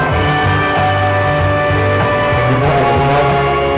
ขอบคุณทุกเรื่องราว